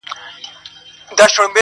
نو ستا د لوړ قامت، کوچنی تشبه ساز نه يم.